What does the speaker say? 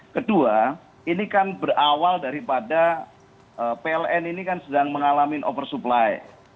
kedua ini kan berawal daripada pln ini kan sedang mengalami oversupply